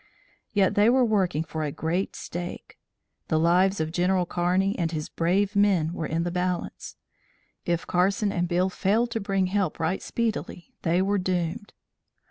Yet they were working for a great stake. The lives of General Kearney and his brave men were in the balance. If Carson and Beale failed to bring help right speedily, they were doomed.